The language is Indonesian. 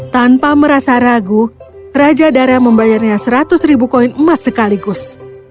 tanpa merasa ragu raja dara membayarnya seratus ribu koin emas sekaligus